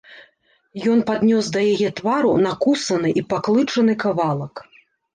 Ён паднёс да яе твару накусаны і паклычаны кавалак.